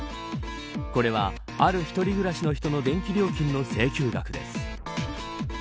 これはある１人暮らしの人の電気料金の請求額です。